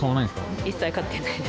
一切買ってないです。